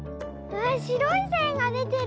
わしろいせんがでてる！